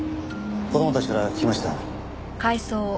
子供たちから聞きました。